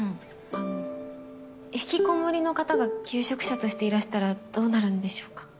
あの引きこもりの方が求職者としていらしたらどうなるんでしょうか？